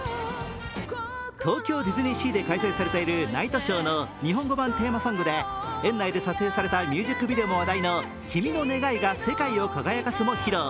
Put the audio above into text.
東京ディズニーシーで開催されているナイトショーの日本語版テーマソングで園内で撮影されたミュージックビデオも話題の「君の願いが世界を輝かす」も披露。